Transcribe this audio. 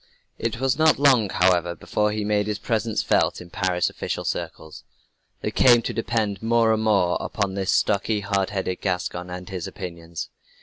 It was not long, however, before he made his presence felt in Paris official circles. They came to depend more and more upon this stocky, hard headed Gascon and his opinions.